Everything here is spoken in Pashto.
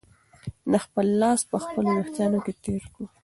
ده خپل لاس په خپلو وېښتانو کې تېر کړ.